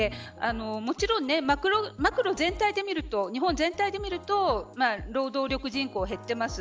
もちろんマクロ全体でみると日本全体で見ると労働力人口が減っています。